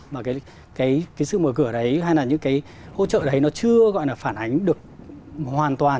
mà cái sự mở cửa đấy hay là những cái hỗ trợ đấy nó chưa gọi là phản ánh được hoàn toàn